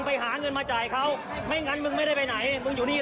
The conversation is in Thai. ไปไปไปไปอย่ามุ่งอย่ามุ่งอย่ามุ่งอย่ามุ่งอย่ามุ่ง